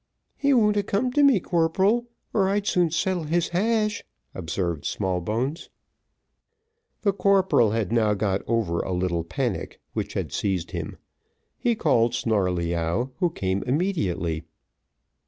"He won't a come to me, corporal, or I'd soon settle his hash," observed Smallbones. The corporal had now got over a little panic which had seized him. He called Snarleyyow, who came immediately.